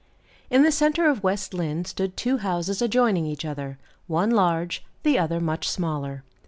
In the centre of West Lynne stood two houses adjoining each other, one large, the other much smaller.